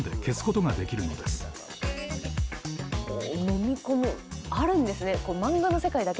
飲み込むあるんですね。